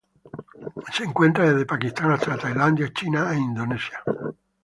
Se encuentra desde Pakistán hasta Tailandia, China e Indonesia.